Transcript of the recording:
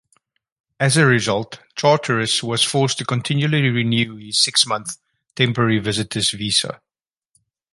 As a result, Charteris was forced to continually renew his six-month temporary visitor's visa.